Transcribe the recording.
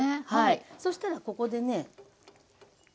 そしたらここでね。